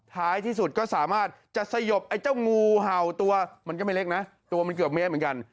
ท้ายที่สุดก็สามารถจะสยบไอ้เจ้างูเห่าตัวมันก็ไม่เล็กนะตัวมันเกือบเมตรเหมือนกัน